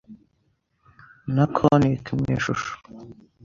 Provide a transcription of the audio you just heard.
na conic mu ishusho.